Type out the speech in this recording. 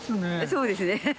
そうですね。